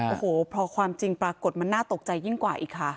โอ้โหพอความจริงปรากฏมันน่าตกใจยิ่งกว่าอีกค่ะ